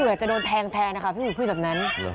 เผื่อจะโดนแทงนะคะพี่หมูพูดแบบนั้น